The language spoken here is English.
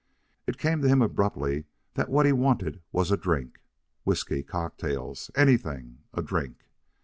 It came to him abruptly that what he wanted was a drink whiskey, cocktails, anything, a drink.